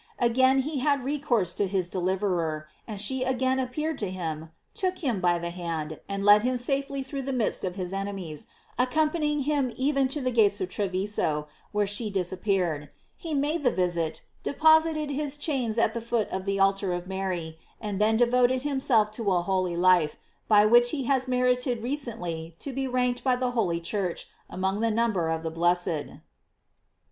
Again he had re course to his deliverer, and she again appeared to him, took him by the hand, and led him safe ly through the midst of his enemies, accompany ing him even to the gates of Treviso, where she disappeared. He made the visit, deposited his * P. Sinise. Ma»t. di Mar. Cons. 15. GLORIES OF MART. chains at the foot of the altar of Mary, and then devoted himself to a holy life, by which he has merited recently to be ranked by the holy Church among the number of the blessed.